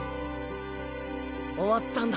終わったんだ。